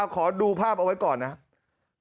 ขอดูภาพเอาไว้ก่อนนะครับ